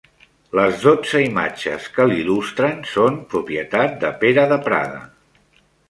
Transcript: Les dotze imatges que l'il·lustren són propietat de Pere de Prada.